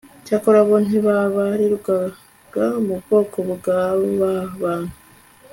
cyakora bo, ntibabarirwaga mu bwoko bwa ba bantu